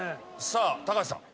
さあ高橋さん。